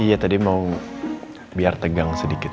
iya tadi mau biar tegang sedikit